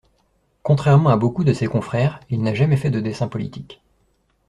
Contrairement à beaucoup de ses confrères, il n'a jamais fait de dessins politiques.